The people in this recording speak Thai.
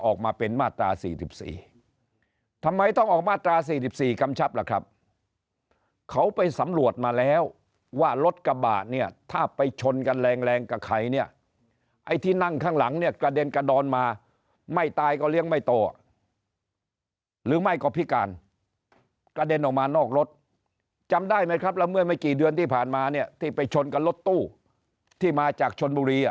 ออกมาเป็นมาตรา๔๔ทำไมต้องออกมาตรา๔๔กำชับล่ะครับเขาไปสำรวจมาแล้วว่ารถกระบะเนี่ยถ้าไปชนกันแรงแรงกับใครเนี่ยไอ้ที่นั่งข้างหลังเนี่ยกระเด็นกระดอนมาไม่ตายก็เลี้ยงไม่โตหรือไม่ก็พิการกระเด็นออกมานอกรถจำได้ไหมครับแล้วเมื่อไม่กี่เดือนที่ผ่านมาเนี่ยที่ไปชนกับรถตู้ที่มาจากชนบุรี